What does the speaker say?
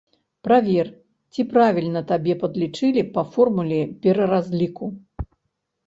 Правер, ці правільна табе падлічылі па формуле пераразліку.